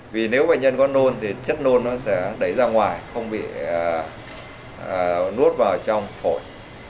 vì nếu bệnh nhân có nôn thì chất nôn nó sẽ đẩy ra ngoài không bị nuốt vào trong phổi